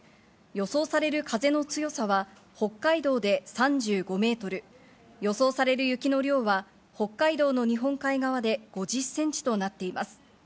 予想される風の強さは北海道で３５メートル、予想される雪の量は北海道の日本海側で５０ｃｍとなっています。